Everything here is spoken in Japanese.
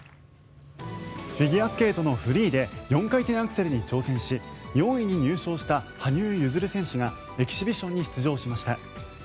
フィギュアスケートのフリーで４回転アクセルに挑戦し４位に入賞した羽生結弦選手がエキシビションに出場しました。